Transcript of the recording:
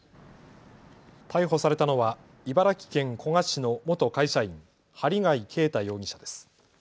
逮捕されたのは茨城県古河市の元会社員、針谷啓太容疑者です。